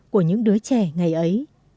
của những đứa trẻ ngày ấy